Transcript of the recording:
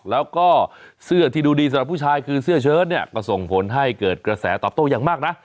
แล้วก็เสื้อที่ดูดีสำหรับผู้ชายคือเสื้อเชิดเนี่ยก็ส่งผลให้เกิดกระแสตอบโต้อย่างมากนะ